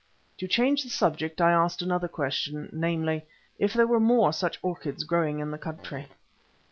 To change the subject I asked another question, namely: If there were more such orchids growing in the country?